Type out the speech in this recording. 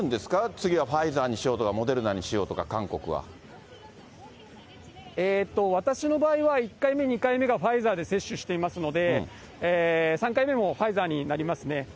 次はファイザーにしようとか、私の場合は、１回目、２回目がファイザーで接種していますので、３回目もファイザーになりますね。